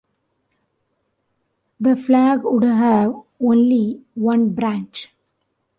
The flag would have only one branch.